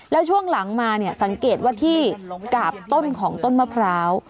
แล้วช่วงหลังมาเนี่ยสังเกตว่าที่กาบต้นของต้นมะพร้าว